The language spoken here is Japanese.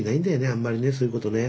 あんまりねそういうことね。